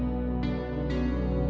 keduanya mencari teman yang mencari jahat